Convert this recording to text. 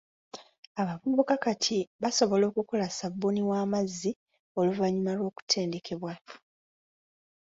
Abavubuka kati basobola okukola ssabuuni w'amazzi oluvannyuma lw'okutendekebwa.